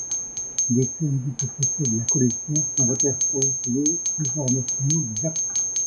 Deux scènes du que possède la collection sont répertoriées Trésors nationaux du Japon.